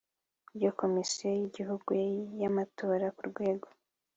rya komisiyo y igihugu y amatora ku rwego